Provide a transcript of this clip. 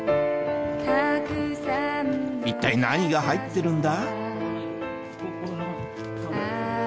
一体何が入ってるんだ？